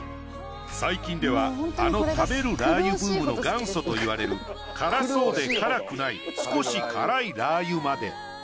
最近ではあの食べるラー油ブームの元祖といわれる辛そうで辛くない少し辛いラー油まで。